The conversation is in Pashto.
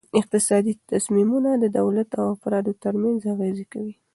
اقتصادي تصمیمونه د دولت او افرادو ترمنځ اغیز کوي.